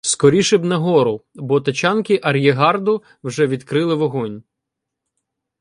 Скоріше б на гору, бо тачанки ар'єргарду вже відкрили вогонь.